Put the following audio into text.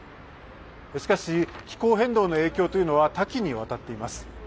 しかし気候変動の影響というのは多岐にわたっています。